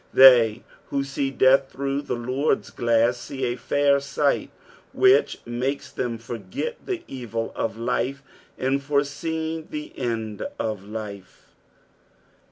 They who see death through the Lord's glaaa, see a fair sight, which makes them forget the evil of life in foreseeing the end of life.